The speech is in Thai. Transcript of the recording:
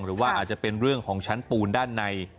หรือว่าอาจจะเป็นเรื่องของชั้นปูนด้านใน